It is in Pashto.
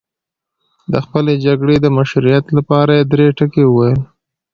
د خپلې جګړې د مشروعیت لپاره یې درې ټکي وویل.